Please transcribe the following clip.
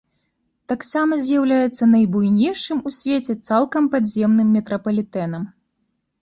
Таксама з'яўляецца найбуйнейшым у свеце цалкам падземным метрапалітэнам.